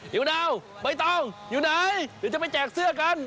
วนาวใบตองอยู่ไหนเดี๋ยวจะไปแจกเสื้อกัน